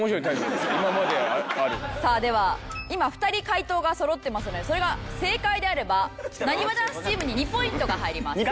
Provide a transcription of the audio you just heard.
さあでは今２人解答がそろってますのでそれが正解であればなにわ男子チームに２ポイントが入ります。